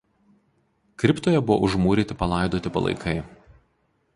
Kriptoje buvo užmūryti palaidoti palaikai.